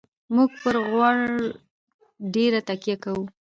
موږ پر غوړ ډېره تکیه کوو.